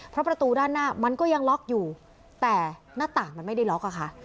เพราะประตูด้านหน้ามันก็ยังล็อกอยู่แต่หน้าต่างมันไม่ได้ล็อกอะค่ะ